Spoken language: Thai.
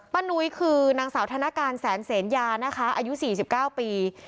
ป้านุ้ยคือนางสาวธนการแสนเศรนยานะคะอายุสี่สิบเก้าปี